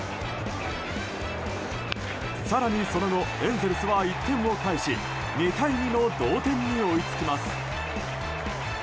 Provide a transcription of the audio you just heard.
更に、その後エンゼルスは１点を返し２対２の同点に追いつきます。